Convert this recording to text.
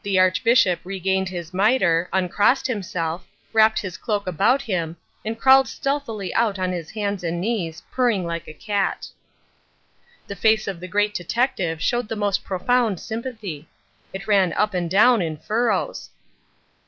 The Archbishop regained his mitre, uncrossed himself, wrapped his cloak about him, and crawled stealthily out on his hands and knees, purring like a cat. The face of the Great Detective showed the most profound sympathy. It ran up and down in furrows.